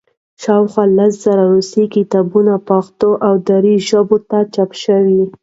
شاوخوا لس زره روسي کتابونه پښتو او دري ژبو ته چاپ شوي.